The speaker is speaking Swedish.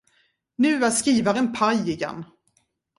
Nu är skrivaren paj igen.